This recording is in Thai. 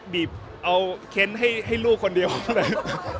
บีบเอาเค้นให้ลูกคนเดียวเลย